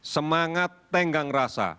semangat tenggang rasa